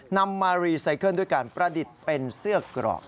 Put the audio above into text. นำมารีไซเคิลด้วยการประดิษฐ์เป็นเสื้อกรอก